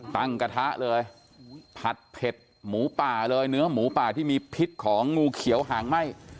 กระทะเลยผัดเผ็ดหมูป่าเลยเนื้อหมูป่าที่มีพิษของงูเขียวหางไหม้